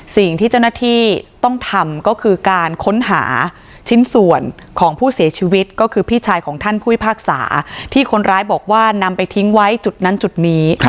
สิ่งที่เจ้าหน้าที่ต้องทำก็คือการค้นหาชิ้นส่วนของผู้เสียชีวิตก็คือพี่ชายของท่านผู้พิพากษาที่คนร้ายบอกว่านำไปทิ้งไว้จุดนั้นจุดนี้